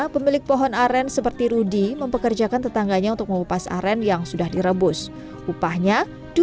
pemilik pohon aren seperti rudy mempekerjakan tetangganya untuk melepas aren yang sudah direbus upahnya